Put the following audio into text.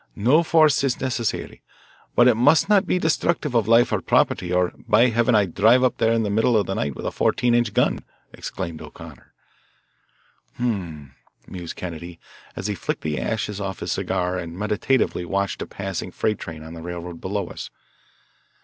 No, force is necessary, but it must not be destructive of life or property or, by heaven, I'd drive up there and riddle the place with a fourteen inch gun," exclaimed O'Connor. "H'm!" mused Kennedy as he flicked the ashes off his cigar and meditatively watched a passing freight train on the railroad below us.